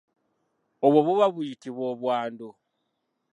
Obwo buba buyitibwa obwandu.